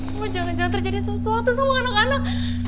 cuma jangan jangan terjadi sesuatu sama anak anak